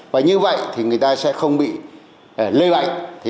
và như vậy thì người ta sẽ không bị lây bệnh